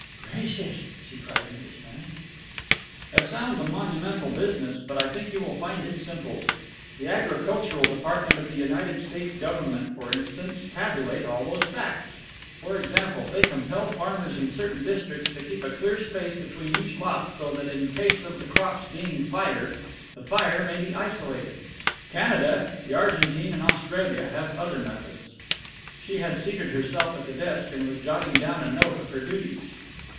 "Gracious!" she cried in dismay. "It sounds a monumental business, but I think you will find it simple. The Agricultural Department of the United States Government, for instance, tabulate all those facts. For example, they compel farmers in certain districts to keep a clear space between each lot so that in case of the crops being fired, the fire may be isolated. Canada, the Argentine and Australia have other methods." She had seated herself at the desk and was jotting down a note of her duties.